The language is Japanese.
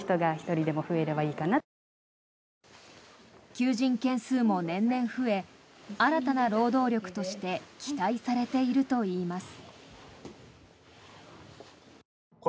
求人件数も年々増え新たな労働力として期待されているといいます。